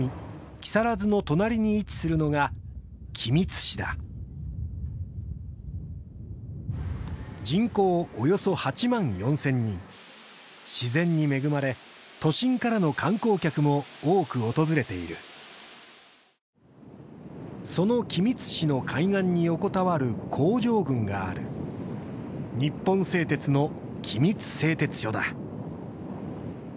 木更津の隣に位置するのが君津市だ人口およそ８万４０００人自然に恵まれ都心からの観光客も多く訪れているその君津市の海岸に横たわる工場群がある日本製鉄の君津製鉄所だ